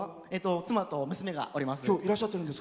妻と娘がいます。